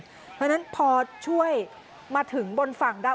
เพราะฉะนั้นพอช่วยมาถึงบนฝั่งได้